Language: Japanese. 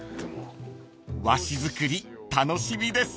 ［和紙作り楽しみです］